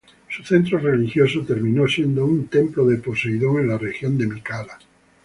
Su centro religioso terminó siendo un templo de Poseidón en la región de Mícala.